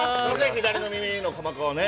左の耳の鼓膜をね